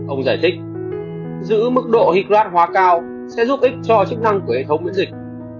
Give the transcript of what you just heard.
ông giải thích giữ mức độ hịch loạt hóa cao sẽ giúp ích cho chức năng của hệ thống biễn dịch